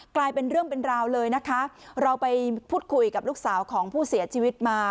กลายเป็นเรื่องเป็นราวเลยนะคะเราไปพูดคุยกับลูกสาวของผู้เสียชีวิตมา